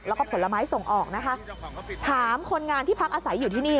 แล้วก็ผลไม้ส่งออกนะคะถามคนงานที่พักอาศัยอยู่ที่นี่